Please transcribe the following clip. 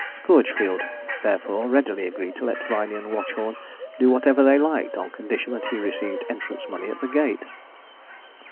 Scourgefield, therefore, readily agreed to let Viney and Watchorn do whatever they liked, on condition that he received entrance money at the gate.